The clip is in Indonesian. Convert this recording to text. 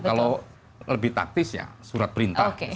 kalau lebih taktis ya surat perintah